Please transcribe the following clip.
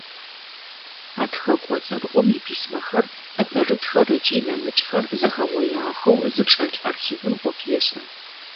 А тхэкӏо цӏэрыӏом иписьмэхэр, ӏэпэрытххэр ыкӏи нэмыкӏхэр зэхэугъоягъэхэу зычӏэлъ архивым ӏоф ешӏэ.